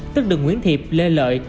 tức đường nguyễn thiệp lê lợi